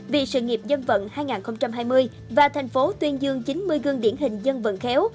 vì sự nghiệp dân vận hai nghìn hai mươi và thành phố tuyên dương chín mươi gương điển hình dân vận khéo